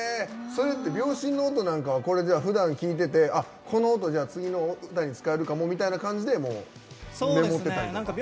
それって秒針の音なんかはこれじゃあふだん聴いててあこの音じゃあ次の歌に使えるかもみたいな感じでもうメモってたりとか？